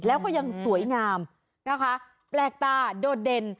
แล้วก็ยังสวยงามนะคะแปลกตาโดดเด่น